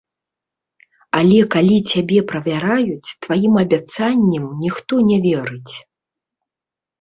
Але калі цябе правяраюць, тваім абяцанням ніхто не верыць.